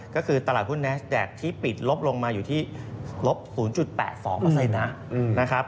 ก็คือตลาดหุ้นแนสแดดที่ปิดลบลงมาอยู่ที่ลบ๐๘๒นะครับ